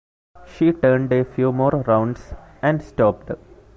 She turned a few more rounds, and stopped.